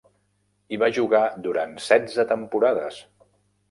Hi va jugar durant setze temporades.